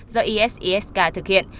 do isis k thực hiện